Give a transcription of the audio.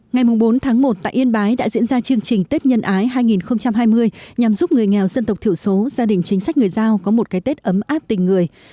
ngày bốn tháng một tại yên bái đã diễn ra chương trình tết nhân ái hai nghìn hai mươi nhằm giúp người nghèo dân tộc thiểu số gia đình chính sách người giao có một cái tết ấm áp tình người